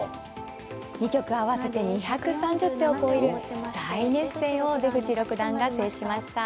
２局合わせて２３０手を超える大熱戦を出口六段が制しました。